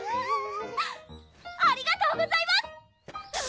ありがとうございます！